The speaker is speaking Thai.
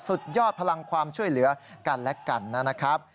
สุดยอดพลังความช่วยเหลือกันและกันนะครับ